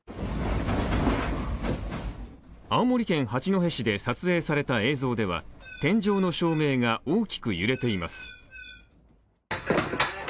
青森県八戸市で撮影された映像では、天井の照明が大きく揺れています。